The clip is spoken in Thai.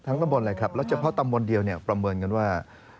ทั้งตำบวนเลยครับแล้วเฉพาะตำบวนเดียวประเมินกันว่า